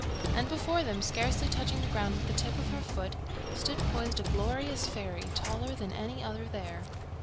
And before them, scarcely touching the ground with the tip of her foot, stood poised a glorious fairy, taller than any other there.